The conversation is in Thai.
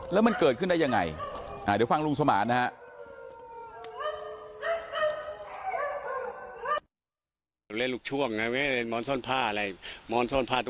แล้วมันเกิดขึ้นได้ยังไงเดี๋ยวฟังลุงสมานนะฮะ